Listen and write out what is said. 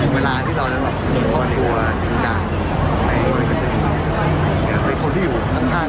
เวลาที่เราจะพบตัวจริงจักรในคนที่อยู่ข้าง